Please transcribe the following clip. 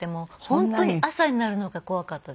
本当に朝になるのが怖かったです。